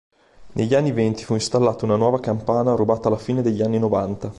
Negli anni Venti fu installata una nuova campana, rubata alla fine degli anni Novanta.